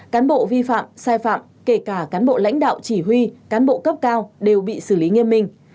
cán bộ vi phạm sai phạm kể cả cán bộ lãnh đạo chỉ huy cán bộ cấp cao đều bị xử lý nghiêm minh